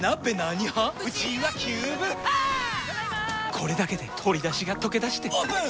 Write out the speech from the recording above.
これだけで鶏だしがとけだしてオープン！